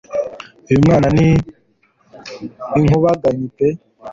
uyu mwana ni inkubaganyi pe